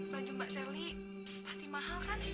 baju mbak serly pasti mahal kan